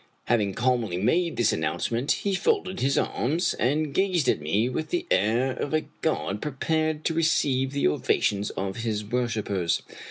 Having calmly made this announcement, he folded his arms and gazed at me with the air of a god prepared to receive the ovations of his worshipers.